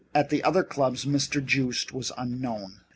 At the other clubs Mr. Joust was unknown.